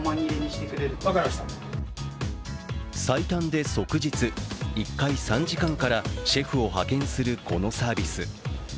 最短で即日、１回３時間からシェフを派遣するこのサービス。